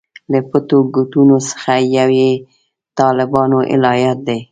له پټو ګوټونو څخه یو یې طالبانو الهیات دي.